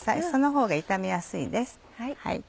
そのほうが炒めやすいです。